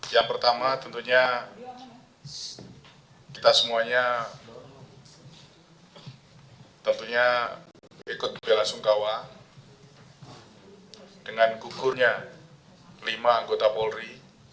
yang pertama tentunya kita semuanya tentunya ikut bela sungkawa dengan gugurnya lima anggota polri